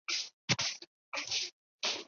从开禧四年颁布施行。